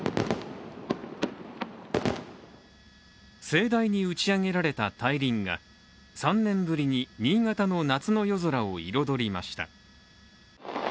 盛大に打ち上げられた大輪が３年ぶりに新潟の夏の夜空を彩りました。